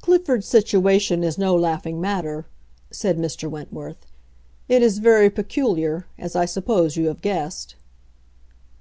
"Clifford's situation is no laughing matter," said Mr. Wentworth. "It is very peculiar, as I suppose you have guessed."